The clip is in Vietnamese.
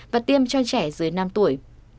và tiêm cho trẻ dưới năm tuổi